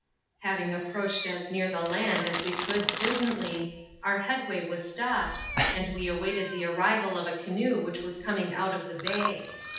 Having approached as near the land as we could prudently, our headway was stopped, and we awaited the arrival of a canoe which was coming out of the bay.